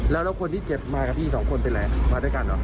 แล้วคนที่เจ็บมากับพี่สองคนเป็นอะไรมาด้วยกันเหรอ